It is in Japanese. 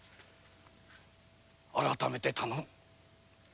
改めて頼む！